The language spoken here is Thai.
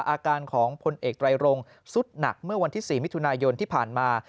อาการของพลเอกไตรรงสุดหนักเมื่อวันที่๔มิถุนายนที่ผ่านมา